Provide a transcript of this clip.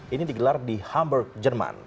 ini digelar di hamburg jerman